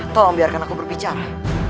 tolong biarkan aku berbicara